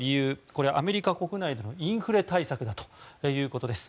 これはアメリカ国内でのインフレ対策だということです。